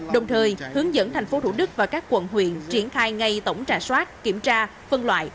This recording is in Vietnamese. đồng thời hướng dẫn tp thủ đức và các quận huyện triển khai ngay tổng trà soát kiểm tra phân loại